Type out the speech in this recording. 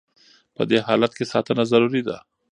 په دې حالت کې ساتنه ضروري ده.